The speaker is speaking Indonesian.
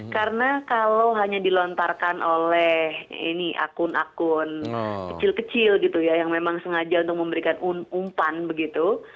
karena kalau hanya dilontarkan oleh ini akun akun kecil kecil gitu ya yang memang sengaja untuk memberikan umpan begitu